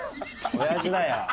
おやじだよ。